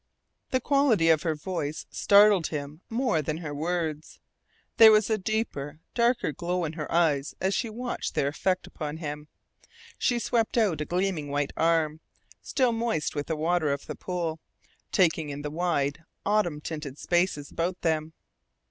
The quality of her voice startled him more then her words. There was a deeper, darker glow in her eyes as she watched their effect upon him. She swept out a gleaming white arm, still moist with the water of the pool, taking in the wide, autumn tinted spaces about them.